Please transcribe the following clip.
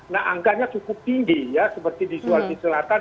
nah angkanya cukup tinggi ya seperti di sulawesi selatan